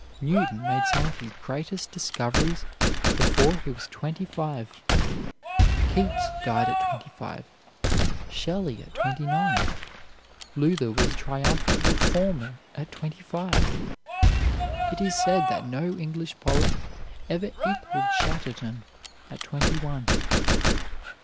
Newton made some of his greatest discoveries before he was twenty five. Keats died at twenty five, Shelley at twenty nine. Luther was a triumphant reformer at twenty five. It is said that no English poet ever equaled Chatterton at twenty one.